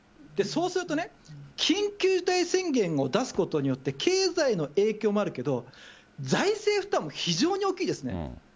そうすると、緊急事態宣言を出すことによって、経済の影響もあるけど、財政負担も非常に大きいですね。